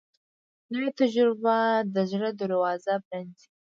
نوې تجربه د زړه دروازه پرانیزي